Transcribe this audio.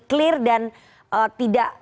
clear dan tidak